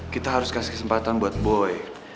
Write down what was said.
kita harus kasih kesempatan buat boy